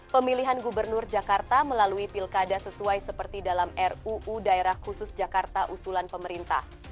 pemilihan gubernur jakarta melalui pilkada sesuai seperti dalam ruu daerah khusus jakarta usulan pemerintah